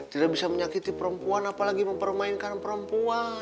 tidak bisa menyakiti perempuan apalagi mempermainkan perempuan